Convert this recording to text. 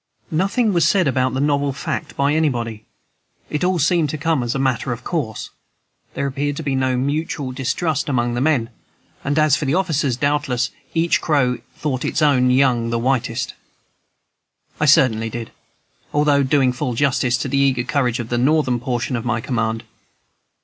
Nothing was said about the novel fact by anybody, it all seemed to come as matter of course; there appeared to be no mutual distrust among the men, and as for the officers, doubtless "each crow thought its own young the whitest," I certainly did, although doing full justice to the eager courage of the Northern portion of my command.